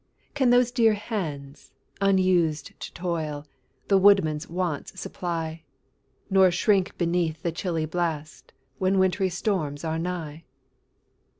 Can those dear hands, unused to toil, The woodman's wants supply, Nor shrink beneath the chilly blast When wintry storms are nigh?